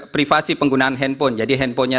privasi penggunaan handphone jadi handphonenya